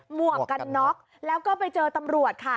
หวกกันน็อกแล้วก็ไปเจอตำรวจค่ะ